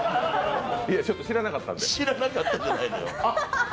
ちょっと知らなかったんで。